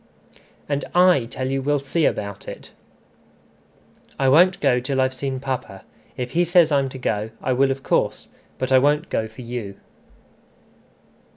"And I tell you we'll see about it" "I won't go till I've seen papa. If he says I'm to go, I will of course; but I won't go for you."